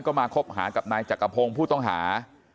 ก็มาคบหากับนายจักรพงศ์ผู้ต้องหา